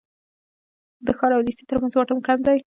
د ښار او لېسې تر منځ واټن کم دی.